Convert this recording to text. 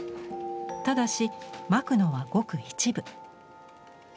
ただしまくのはごく一部。